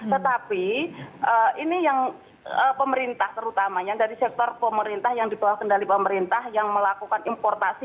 tetapi ini yang pemerintah terutamanya dari sektor pemerintah yang dibawa kendali pemerintah yang melakukan importasi